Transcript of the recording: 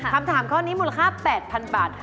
คำถามข้อนี้มูลค่า๘๐๐๐บาท